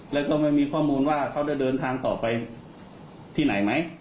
แล้วก็ไม่มีข้อมูลว่าเขาจะเดินทางต่อไปที่ไหนไหม